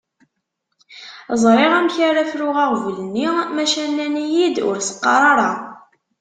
Ẓriɣ amek ara fruɣ aɣbel-nni maca nnan-iyi-d ur s-qqar ara.